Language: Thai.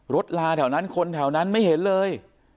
ลาแถวนั้นคนแถวนั้นไม่เห็นเลย